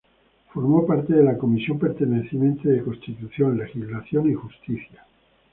Formó parte de la comisión permanente de Constitución, Legislación y Justicia.